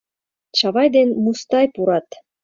Чавай ден Мустай пурат.